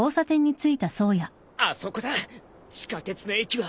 あそこだ地下鉄の駅は。